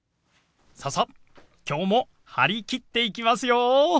ささ今日も張り切って行きますよ！